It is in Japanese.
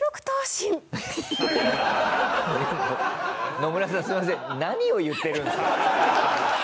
野村さんすいません。